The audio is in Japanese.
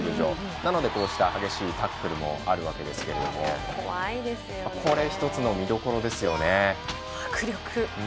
なので、こうした激しいタックルもあるわけですけども。これ、１つの見どころですよね。